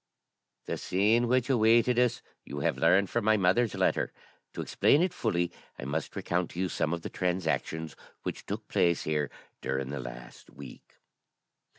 The scene which awaited us you have learned from my mother's letter. To explain it fully, I must recount to you some of the transactions which took place here during the last week.